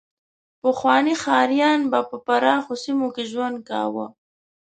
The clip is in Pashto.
پخواني ښکاریان به په پراخو سیمو کې ژوند کاوه.